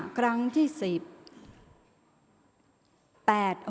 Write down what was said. ออกรางวัลที่๖เลขที่๗